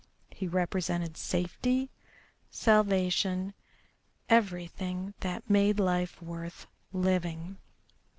He represented safety, salvation, everything that made life worth living.